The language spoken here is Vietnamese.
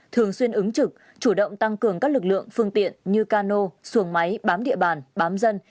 thường xuyên ứng trực chủ động tăng cường các lực lượng phương tiện như cano xuồng máy bám địa bàn bám dân